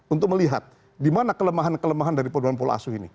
untuk melihat di mana kelemahan kelemahan dari perubahan pola asuh ini